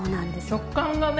食感がね。